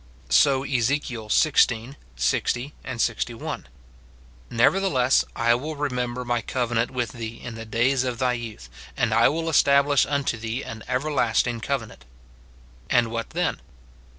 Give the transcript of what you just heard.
So Ezek. xvi. 60, 61, "Nevertheless I will rememher my covenant with thee in the days of thy youth, and I will establish unto thee an everlasting cove nant." And what then?